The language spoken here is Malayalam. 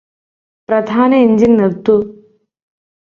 പ്രധാന എന്ജിന് നിര്ത്തൂ